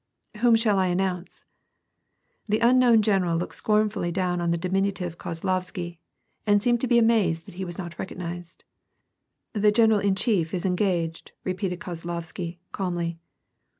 " Whom shall I announce ?" The unknown general looked scornfully down on the diminutive Kozlovsky^ and seemed to be amazed that he was not recognized. "The general in chief is engaged," repeated Kozlovsky calmly.